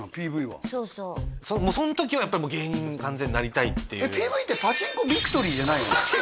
ＰＶはそうそうその時はやっぱり芸人に完全になりたいっていうＰＶってパチンコビクトリーじゃないよね？